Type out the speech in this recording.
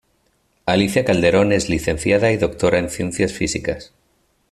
Alicia Calderón es licenciada y doctora en Ciencias Físicas.